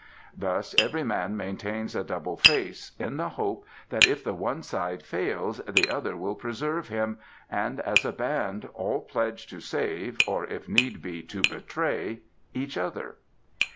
Thus every man maintains a double face in the hope that if the one side fails the other will preserve him, and as a band all pledge to save (or if need be to betray) each other."